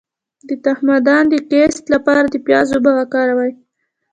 د تخمدان د کیست لپاره د پیاز اوبه وکاروئ